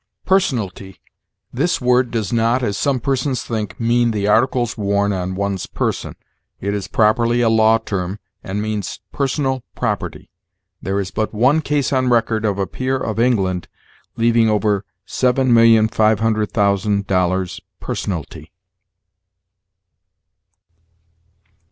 PERSONALTY. This word does not, as some persons think, mean the articles worn on one's person. It is properly a law term, and means personal property. "There is but one case on record of a peer of England leaving over $7,500,000 personalty."